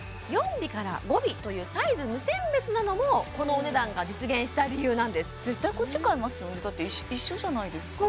４尾から５尾というサイズ無選別なのもこのお値段が実現した理由なんです絶対こっち買いますよねだって一緒じゃないですか